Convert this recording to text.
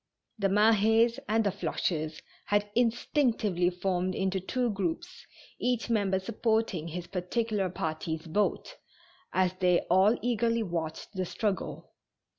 The Malics and the Floches had instinctively formed into two groups, each member supporting his particular party's boat, as they all eagerly watched the struggle.